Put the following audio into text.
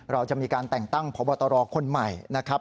เราจะมีการแต่งตั้งพบตรคนใหม่นะครับ